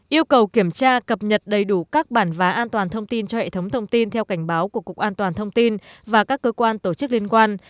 yêu cầu kiểm tra cập nhật đầy đủ các bản vá an toàn thông tin cho hệ thống thông tin theo cảnh báo của cục an toàn thông tin và các cơ quan tổ chức liên quan